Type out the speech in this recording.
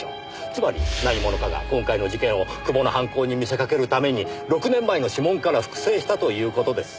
つまり何者かが今回の事件を久保の犯行に見せかけるために６年前の指紋から複製したという事です。